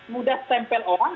mudah tempel orang